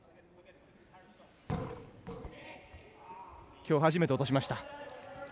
きょう、初めて落としました。